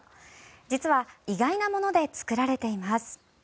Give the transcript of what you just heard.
実は意外なもので作られています。